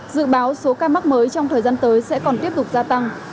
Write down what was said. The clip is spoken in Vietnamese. dự báo số ca mắc mới trong thời gian tới sẽ còn tiếp tục gia tăng